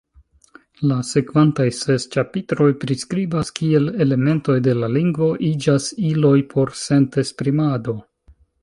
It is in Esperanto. La sekvantaj ses ĉapitroj priskribas, kiel elementoj de la lingvo iĝas iloj por sentesprimado.